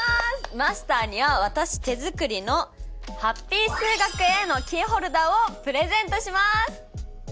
マスターには私手作りのハッピー数学Ａのキーホルダーをプレゼントします。